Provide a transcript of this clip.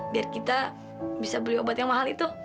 biar kita bisa beli obat yang mahal itu